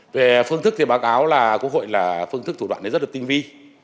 về phương thức thì báo cáo là quốc hội là phương thức thủ đoạn này rất là tinh vi